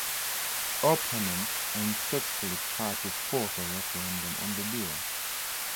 Opponents unsuccessfully tried to force a referendum on the bill.